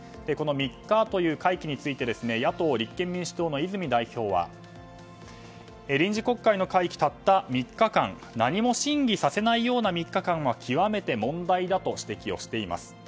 ３日という会期について野党・立憲民主党の泉代表は臨時国会の会期、たった３日間何も審議させないような３日間は極めて問題だと指摘しています。